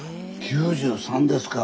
９３ですか。